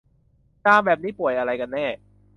จามแบบนี้ป่วยอะไรกันแน่